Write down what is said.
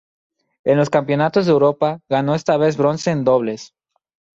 En los Campeonato de Europa, ganó esta vez bronce en dobles.